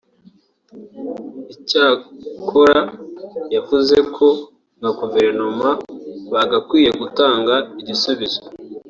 Icyakora yavuze ko nka guverinoma bagakwiye gutanga igisubizo